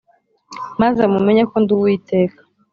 maze mumenye ko ndi Uwiteka’ ”